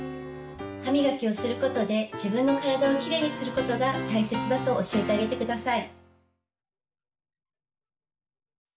歯みがきをすることで自分の体をきれいにすることが大切だと教えてあげてください。